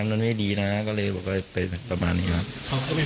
นั้นมันไม่ดีน่ะก็เลยบอกว่าไปแบบประมาณนี้ครับเขาไม่